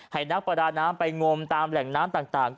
นักประดาน้ำไปงมตามแหล่งน้ำต่าง